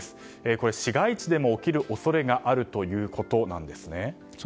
これ、市街地でも起きる恐れがあるということなんですね。